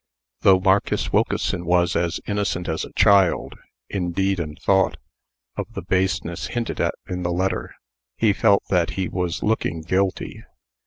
Though Marcus Wilkeson was as innocent as a child, in deed and thought, of the baseness hinted at in this letter, he felt that he was looking guilty.